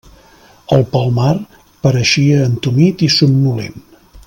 El Palmar pareixia entumit i somnolent.